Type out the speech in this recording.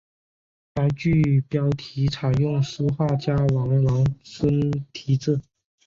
该剧标题采用书画家王王孙题字。